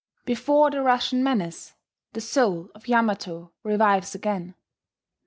Before the Russian menace, the Soul of Yamato revives again.